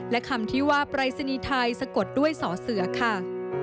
และคำที่ว่าปรายศนีย์ไทยสะกดด้วยสอเสือค่ะ